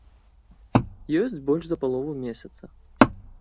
Ёсць больш за палову месяца.